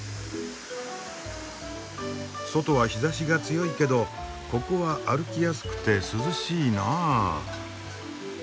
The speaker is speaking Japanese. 外は日ざしが強いけどここは歩きやすくて涼しいなあ。